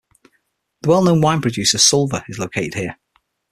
The well-known wine producer "Suvla" is located here.